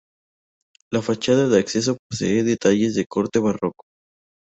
La fachada de acceso posee detalles de corte barroco.